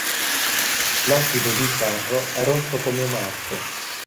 L’ossido di Ferro è rosso come Marte.